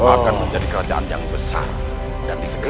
akan menjadi kerajaan yang besar dan disegerakan